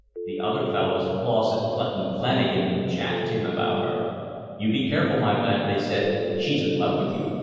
The other fellows, Lawson, Clutton, Flanagan, chaffed him about her. "You be careful, my lad," they said, "she's in love with you."